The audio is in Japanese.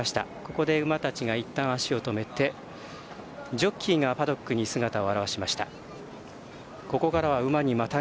ここで馬たちがいったん、足を止めてジョッキーがパドックに姿を現しました。